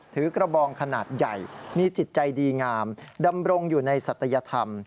ถือกระบองขนาดใหญ่มีจิตใจดีงามดำรงอยู่ในศัตยธรรม